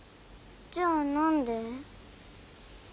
じゃあ何で？